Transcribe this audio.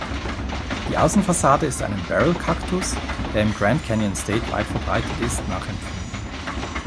Die Außenfassade ist einem Barrel-Kaktus, der im "Grand Canyon State" weit verbreitet ist, nachempfunden.